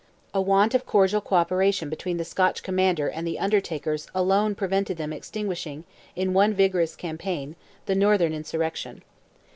A want of cordial co operation between the Scotch commander and "the Undertakers" alone prevented them extinguishing, in one vigorous campaign, the northern insurrection.